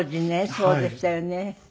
そうでしたよね。